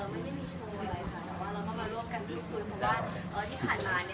เอ่อไม่ได้มีโชว์อะไรค่ะเราก็มาร่วมกันทุกคุณ